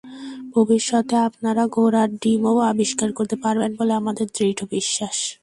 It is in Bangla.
ভবিষ্যতে আপনারা ঘোড়ার ডিমও আবিষ্কার করতে পারবেন বলে আমাদের দৃঢ় বিশ্বাস।